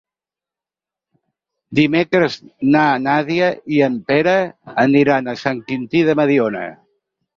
Dimecres na Nàdia i en Pere aniran a Sant Quintí de Mediona.